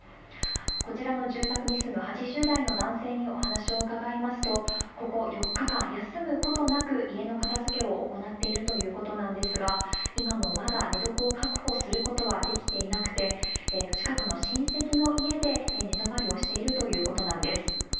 こちらの住宅に住む８０代の男性にお話を伺いますと、ここ４日間、休むことなく家の片づけを行っているということなんですが、今もまだ寝床を確保することはできていなくて、近くの親戚の家で寝泊りをしているということなんです。